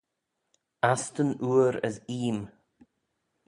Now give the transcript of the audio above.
Astan oor as eeym.